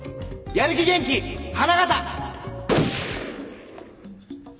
やる気元気花形！